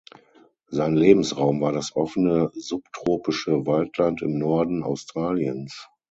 Sein Lebensraum war das offene subtropische Waldland im Norden Australiens.